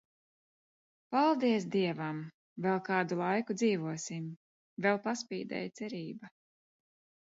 Paldies, Dievam, vēl kādu laiku dzīvosim, vēl paspīdēja cerība.